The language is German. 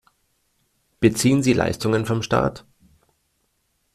Beziehen sie Leistungen von Staat?